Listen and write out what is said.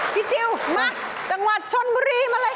จิลมาจังหวัดชนบุรีมาเลยค่ะ